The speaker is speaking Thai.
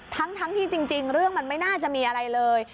ทั้งที่จริงเรื่องมันไม่น่าจะมีอะไรเลย